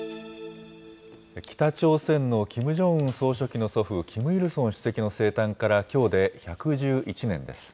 北朝鮮のキム・ジョンウン総書記の祖父、キム・イルソン主席の生誕からきょうで１１１年です。